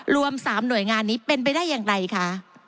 รวม๓หน่วยงานนี้เป็นไปได้อย่างไรคะ